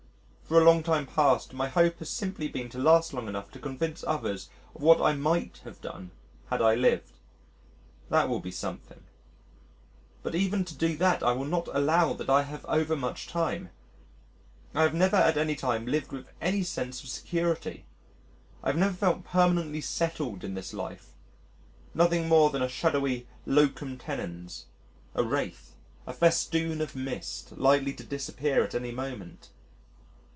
For a long time past my hope has simply been to last long enough to convince others of what I might have done had I lived. That will be something. But even to do that I will not allow that I have overmuch time. I have never at any time lived with any sense of security. I have never felt permanently settled in this life nothing more than a shadowy locum tenens, a wraith, a festoon of mist likely to disappear any moment.